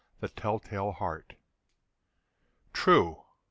_ THE TELL TALE HEART. True!